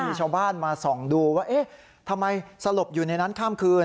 มีชาวบ้านมาส่องดูว่าเอ๊ะทำไมสลบอยู่ในนั้นข้ามคืน